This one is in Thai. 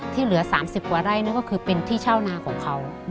ที่เหลือ๓๐กว่าไร่นั่นก็คือเป็นที่เช่านาของเขา